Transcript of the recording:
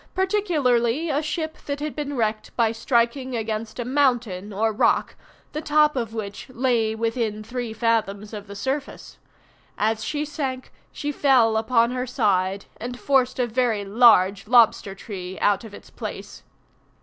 particularly a ship that had been wrecked by striking against a mountain or rock, the top of which lay within three fathoms of the surface. As she sank she fell upon her side, and forced a very large lobster tree out of its place.